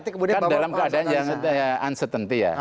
kan dalam keadaan yang uncertainty ya